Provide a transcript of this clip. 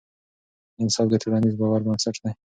انصاف د ټولنیز باور بنسټ دی